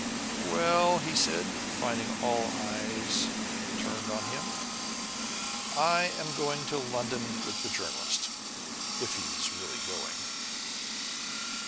"Well," he said, finding all eyes turned on him, "I am going to London with the Journalist if he is really going."